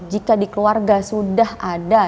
jika di keluarga sudah ada